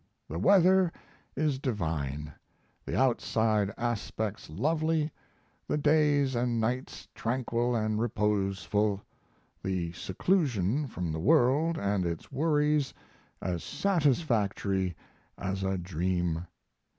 The weather is divine, the outside aspects lovely, the days and nights tranquil and reposeful, the seclusion from the world and its worries as satisfactory as a dream.